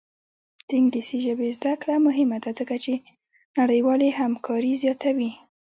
د انګلیسي ژبې زده کړه مهمه ده ځکه چې نړیوالې همکاري زیاتوي.